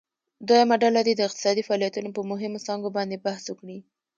دویمه ډله دې د اقتصادي فعالیتونو په مهمو څانګو باندې بحث وکړي.